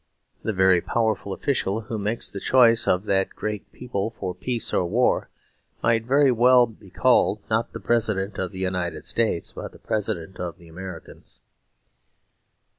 The very powerful official who makes the choice of that great people for peace or war, might very well be called, not the President of the United States, but the President of the Americans.